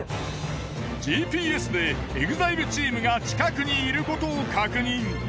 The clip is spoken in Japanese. ＧＰＳでＥＸＩＬＥチームが近くにいることを確認！